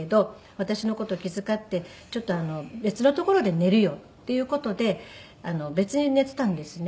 私の事を気遣って別の所で寝るよっていう事で別に寝ていたんですね。